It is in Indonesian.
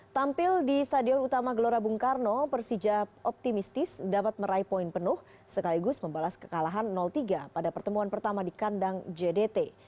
tampil di stadion utama gelora bung karno persija optimistis dapat meraih poin penuh sekaligus membalas kekalahan tiga pada pertemuan pertama di kandang jdt